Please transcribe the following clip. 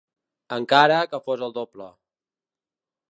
Encara que fos el doble.